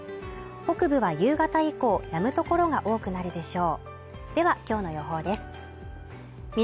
北部は夕方以降、やむところが多くなるでしょう。